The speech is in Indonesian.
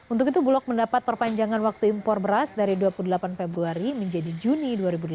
untuk itu bulog mendapat perpanjangan waktu impor beras dari dua puluh delapan februari menjadi juni dua ribu delapan belas